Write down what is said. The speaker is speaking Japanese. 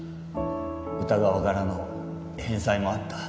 宇田川からの返済もあった。